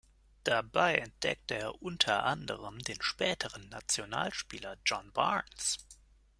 Dabei entdeckte er unter anderem den späteren Nationalspieler John Barnes.